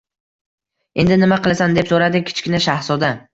— Endi nima qilasan? — deb so‘radi Kichkina shahzoda.